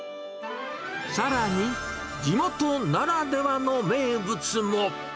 さらに、地元ならではの名物も。